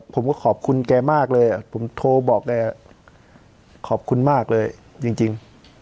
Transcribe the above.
ผมก็ขอบคุณแกมากเลยผมโทรบอกแกขอบคุณมากเลยจริง